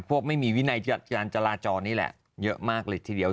ไม่มีวินัยการจราจรนี่แหละเยอะมากเลยทีเดียว